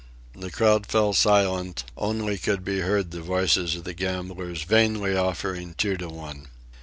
The crowd fell silent; only could be heard the voices of the gamblers vainly offering two to one.